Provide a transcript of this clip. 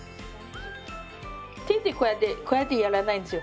手でこうやってこうやってやらないんですよ。